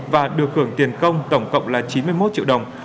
và được hưởng tiền công tổng cộng là chín mươi một triệu đồng